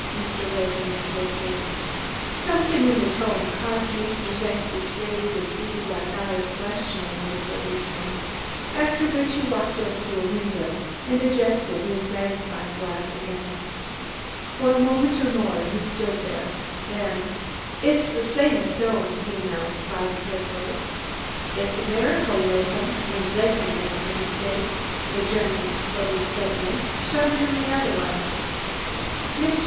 Mr. Latham insisted. Something in the tone caused Mr. Czenki to raise his beady black eyes questioningly for an instant, after which he walked over to a window and adjusted his magnifying glass again. For a moment or more he stood there, then: "It's the same stone," he announced positively. "Id iss der miracle, Laadham, when Czenki make der mistake!" the German exploded suddenly. "Show him der odder von." Mr.